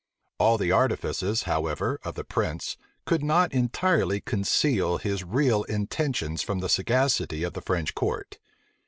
All the artifices, however, of the prince could not entirely conceal his real intentions from the sagacity of the French court.